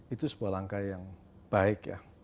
itu sebuah langkah yang baik ya